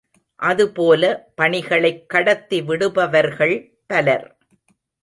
அதுபோல பணிகளைக் கடத்தி விடுபவர்கள் பலர்.